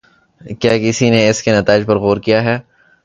کیا کسی نے اس کے نتائج پر غور کیا ہے؟